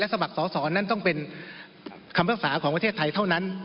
สมัครสอสอนั้นต้องเป็นคำภาษาของประเทศไทยเท่านั้น